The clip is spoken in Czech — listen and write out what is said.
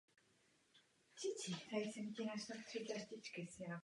Pole Type určuje typ nebo význam hodnoty.